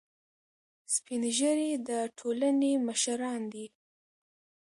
سپین ږیری د ټولنې مشران دي